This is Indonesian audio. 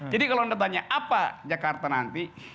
jadi kalau anda tanya apa jakarta nanti